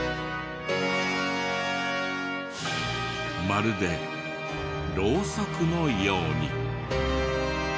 まるでろうそくのように。